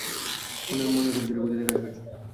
মনে হয় খুব ধীর গতিতে কাজ করছি।